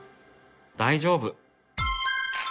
大丈夫！